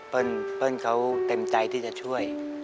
เปิ้ลเขาเต็มใจที่จะช่วย